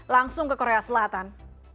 langsung ke korea selatan